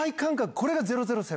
これが００７？